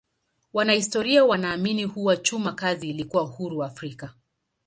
Wanahistoria wanaamini kuwa chuma kazi ilikuwa huru Afrika.